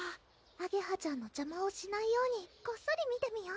あげはちゃんの邪魔をしないようにこっそり見てみよ！